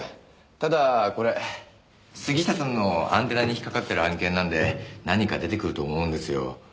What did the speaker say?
ただこれ杉下さんのアンテナに引っ掛かってる案件なんで何か出てくると思うんですよ。